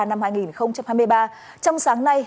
năm hai nghìn hai mươi ba trong sáng nay